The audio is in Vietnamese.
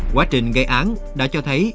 quá trình gây án đã cho thấy